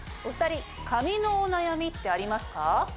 お２人髪のお悩みってありますか？